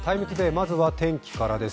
まずは天気からです。